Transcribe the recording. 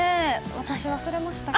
私、忘れました。